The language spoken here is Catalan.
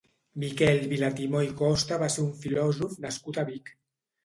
Miquel Vilatimó i Costa va ser un filòsof nascut a Vic.